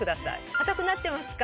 硬くなってますか？